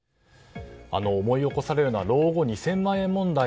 思い起こされるのは老後２０００万円問題。